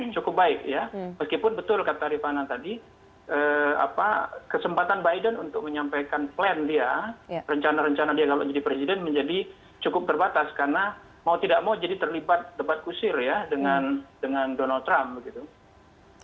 cukup baik ya meskipun betul kata rifana tadi kesempatan biden untuk menyampaikan plan dia rencana rencana dia kalau jadi presiden menjadi cukup terbatas karena mau tidak mau jadi terlibat debat kusir ya dengan donald trump begitu